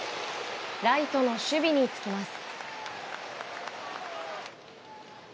ライトの守備に就きます。